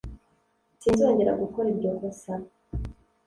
Sinzongera gukora iryo kosa